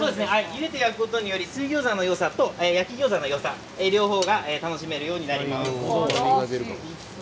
ゆでて焼くことで水餃子のよさと焼き餃子のよさ両方が楽しめるようになります。